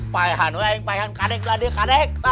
pahehan wey pahehan kadek kadek